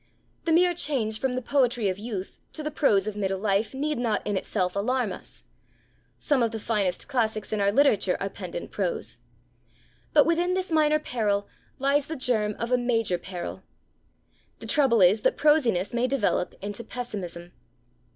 The mere change from the poetry of youth to the prose of middle life need not in itself alarm us. Some of the finest classics in our literature are penned in prose. But within this minor peril lies the germ of a major peril. The trouble is that prosiness may develop into pessimism.